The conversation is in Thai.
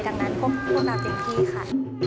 ดังนั้นพบพวกเราจริงค่ะ